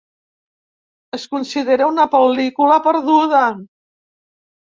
Es considera una pel·lícula perduda.